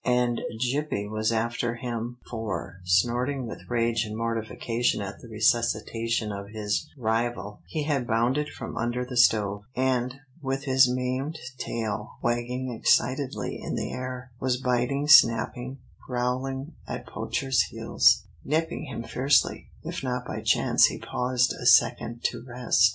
And Gippie was after him, for, snorting with rage and mortification at the resuscitation of his rival, he had bounded from under the stove, and, with his maimed tail wagging excitedly in the air, was biting, snapping, growling at Poacher's heels, nipping him fiercely, if by chance he paused a second to rest.